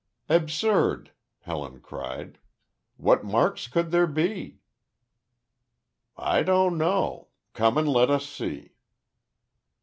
"Absurd!" Helen cried; "what marks could there be?" "I don't know. Come and let us see."